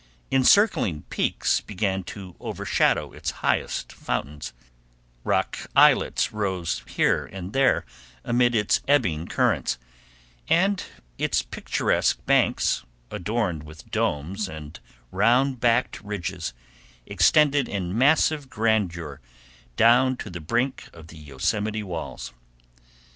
Encircling peaks began to overshadow its highest fountains, rock islets rose here and there amid its ebbing currents, and its picturesque banks, adorned with domes and round backed ridges, extended in massive grandeur down to the brink of the Yosemite walls.